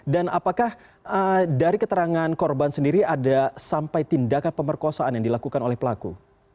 dan apakah dari keterangan korban sendiri ada sampai tindakan pemerkosaan yang dilakukan oleh pelaku